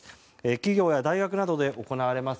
企業や大学などで行われます